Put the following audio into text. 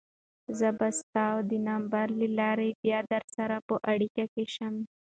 زه به ستا د نمبر له لارې بیا درسره په اړیکه کې شم.